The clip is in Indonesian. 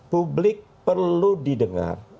publik perlu didengar